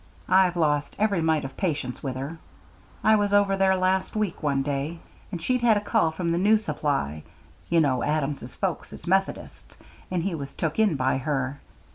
I've lost every mite of patience with her. I was over there last week one day, and she'd had a call from the new supply you know Adams's folks is Methodists and he was took in by her.